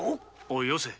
おいよせ。